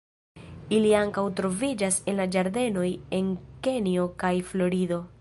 Ili ankaŭ troviĝas en la ĝardenoj en Kenjo kaj Florido.